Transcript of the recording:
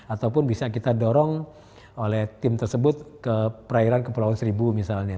ataupun bisa kita dorong oleh tim tersebut ke perairan kepulauan seribu misalnya